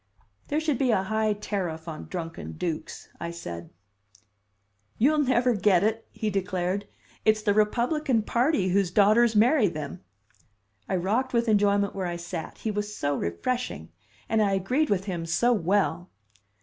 "There should be a high tariff on drunken dukes," I said. "You'll never get it!" he declared. "It's the Republican party whose daughters marry them." I rocked with enjoyment where I sat; he was so refreshing. And I agreed with him so well.